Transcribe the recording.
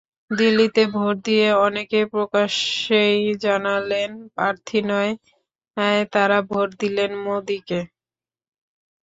দিল্লিতে ভোট দিয়ে অনেকে প্রকাশ্যেই জানালেন, প্রার্থী নয়, তাঁরা ভোট দিলেন মোদিকে।